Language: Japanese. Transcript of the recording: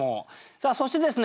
さあそしてですね